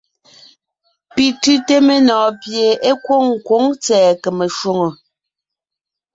Pi tʉ́te menɔɔn pie é kwôŋ kwǒŋ tsɛ̀ɛ kème shwòŋo.